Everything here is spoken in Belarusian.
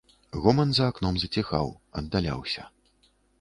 Гоман за акном заціхаў, аддаляўся.